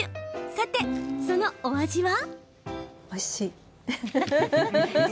さて、そのお味は？